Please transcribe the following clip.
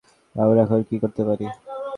আমরা এখন কী করতে পারি?